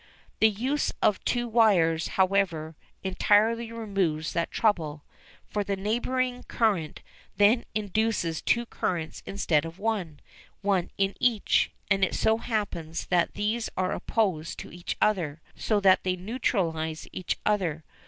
The use of two wires, however, entirely removes that trouble, for the neighbouring current then induces two currents instead of one, one in each, and it so happens that these are opposed to each other, so that they neutralise each other.